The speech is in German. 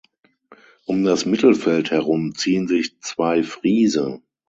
Um das Mittelfeld herum ziehen sich zwei Friese.